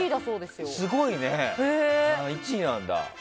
すごいね、１位なんだ。